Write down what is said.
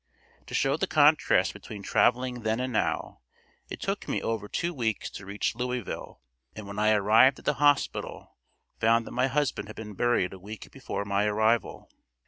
To show the contrast between traveling then and now, it took me over two weeks to reach Louisville and when I arrived at the hospital found that my husband had been buried a week before my arrival.